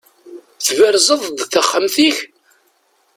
Tberzeḍ-d taxxamt-ik?